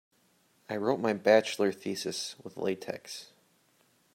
I wrote my bachelor thesis with latex.